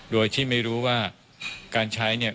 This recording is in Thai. โดยที่ไม่รู้ว่าการใช้เนี่ย